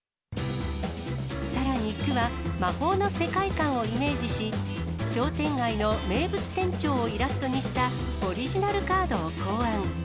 さらに区は、魔法の世界観をイメージし、商店街の名物店長をイラストにしたオリジナルカードを考案。